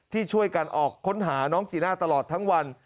ที่ช่วยกันออกค้นหาน้องจีน่าตลอดทั้งวัน